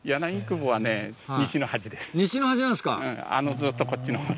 ずっとこっちのほうで。